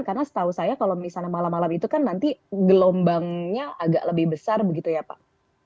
karena setahu saya kalau misalnya malam malam itu kan nanti gelombangnya agak lebih besar begitu ya pak